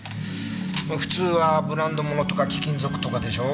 普通はブランド物とか貴金属とかでしょ？